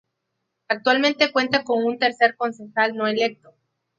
Actualmente cuenta con un tercer concejal no electo.